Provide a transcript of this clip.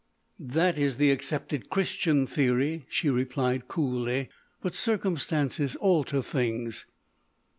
"That is the accepted Christian theory," she replied coolly, "but circumstances alter things."